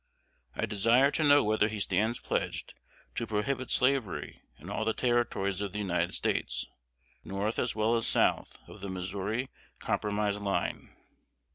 "I desire to know whether he stands pledged to prohibit slavery in all the Territories of the United States, north as well as south of the Missouri Compromise line."